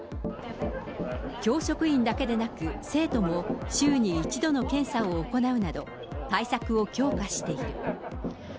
教職員だけでなく、生徒も週に１度の検査を行うなど、対策を強化している。